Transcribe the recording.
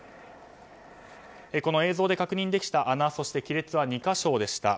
映像で確認できた穴そして亀裂は２か所でした。